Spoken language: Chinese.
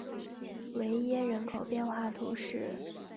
韦耶人口变化图示